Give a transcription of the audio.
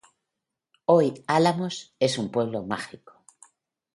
Hoy Álamos es un pueblo mágico.